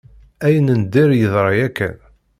Ayen n dir yeḍra yakan.